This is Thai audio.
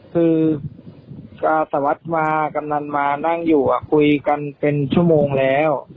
คือสวัสดิ์มากำนันมานั่งอยู่คุยกันเป็นชั่วโมงแล้ว